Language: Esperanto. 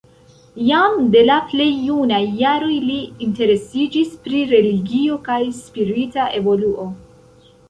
Jam de la plej junaj jaroj li interesiĝis pri religio kaj spirita evoluo.